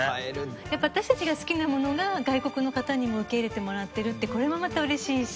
やっぱ私たちが好きなものが外国の方にも受け入れてもらってるってこれもまた嬉しいし。